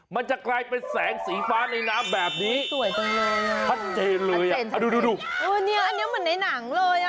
มันจะกลายเป็นแสงสีฟ้าในน้ำแบบนี้สวยจังเลยอ่ะชัดเจนเลยอ่ะดูดูเออเนี้ยอันนี้เหมือนในหนังเลยอ่ะ